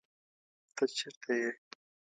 تۀ چېرې ئې ؟